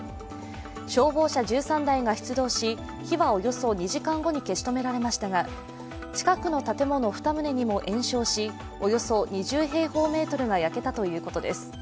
消防車１３台が出動し火はおよそ２時間後に消し止められましたが近くの建物２棟にも延焼しおよそ２０平方メートルが焼けたということです。